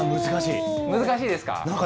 難しいですか。